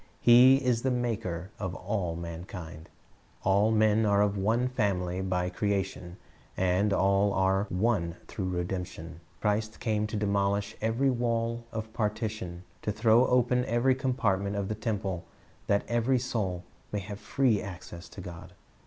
He is the Maker of all mankind. All men are of one family by creation, and all are one through redemption. Christ came to demolish every wall of partition, to throw open every compartment of the temple, that every soul may have free access to God.